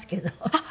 あっ！